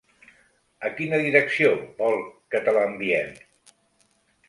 A quina direcció vol que te la enviem?